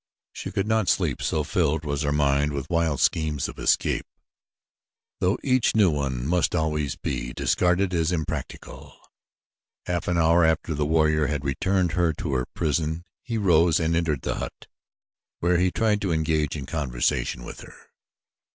She could not sleep so filled was her mind with wild schemes of escape though each new one must always be discarded as impractical. Half an hour after the warrior had returned her to her prison he rose and entered the hut, where he tried to engage in conversation with her.